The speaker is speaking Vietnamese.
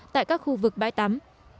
tại các khu vực bãi tắm